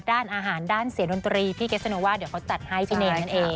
ด้านอาหารด้านเสียงดนตรีพี่เกสโนว่าเดี๋ยวเขาจัดให้พี่เนรนั่นเอง